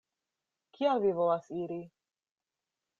Kial vi volas iri?